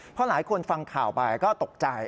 เพราะหลายคนฟังข่าวไปก็ตกใจ